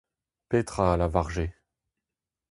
Petra a lavarje ?